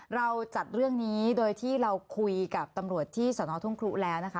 เราจัดเรื่องนี้โดยที่เราคุยกับตำรวจที่สนทุ่งครุแล้วนะคะ